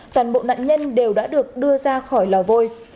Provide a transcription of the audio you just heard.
toàn bộ nạn nhân đều đã được đưa ra khỏi lò vôi